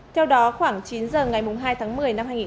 theo đó khoảng chín h ngày hai tháng một mươi